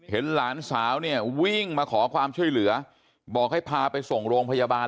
หลานสาวเนี่ยวิ่งมาขอความช่วยเหลือบอกให้พาไปส่งโรงพยาบาล